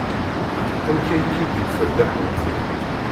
Amek ay k-id-yufa Dda Ḥemmu?